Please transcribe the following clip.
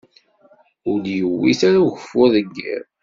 Ur d-yewwit ara ugeffur deg iḍ.